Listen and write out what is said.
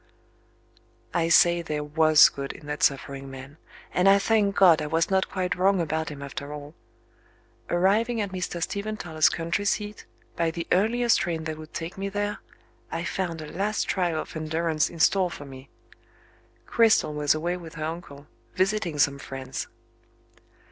I say there was good in that suffering man; and I thank God I was not quite wrong about him after all. Arriving at Mr. Stephen Toller's country seat, by the earliest train that would take me there, I found a last trial of endurance in store for me. Cristel was away with her uncle, visiting some friends.